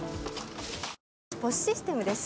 ＰＯＳシステムです。